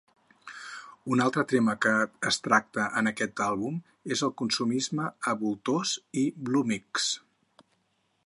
Un altre tema que es tracta en aquest àlbum és el consumisme a "Voltors" i "Blue Mix".